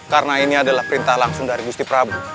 karena ini adalah perintah langsung dari gusti prabu